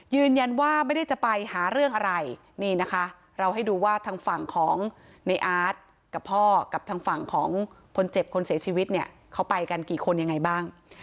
ยืนยันว่าไม่ได้จะไปหาเรื่องอะไรนี่นะคะเราให้ดูว่าทางฝั่งของในอาร์ตกับพ่อกับทางฝั่งของคนเจ็บคนเสียชีวิตเนี่ยเขาไปกันกี่คนยังไงบ้าง